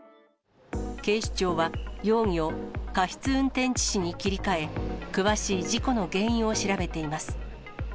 警視庁は、容疑を過失運転致死に切り替え、詳しい事故の原因を調べています。